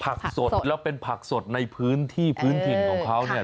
สดแล้วเป็นผักสดในพื้นที่พื้นถิ่นของเขาเนี่ย